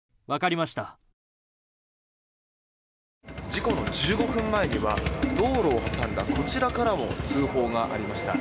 事故の１５分前には道路を挟んだこちらからも通報がありました。